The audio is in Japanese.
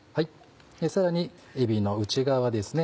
さらにえびの内側ですね